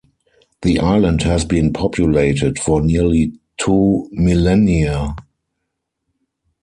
The island has been populated for nearly two millennia.